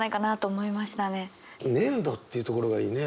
「粘度」っていうところがいいね。